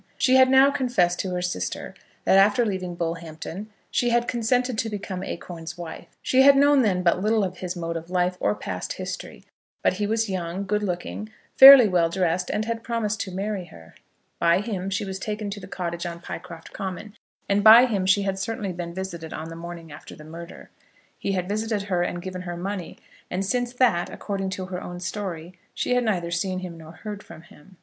She had now confessed to her sister that, after leaving Bullhampton, she had consented to become Acorn's wife. She had known then but little of his mode of life or past history; but he was young, good looking, fairly well dressed, and had promised to marry her. By him she was taken to the cottage on Pycroft Common, and by him she had certainly been visited on the morning after the murder. He had visited her and given her money; and since that, according to her own story, she had neither seen him nor heard from him.